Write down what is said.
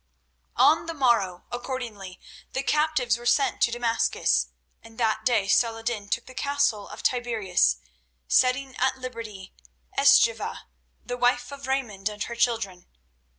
On the morrow, accordingly, the captives were sent to Damascus, and that day Saladin took the castle of Tiberias, setting at liberty Eschiva, the wife of Raymond, and her children.